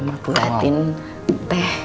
ini mama buatin teh buat kamu